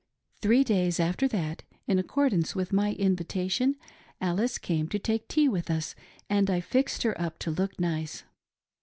" Three days after that, in accordance with my invitation, Alice came to take tea with us, and I fixed her up to look nice.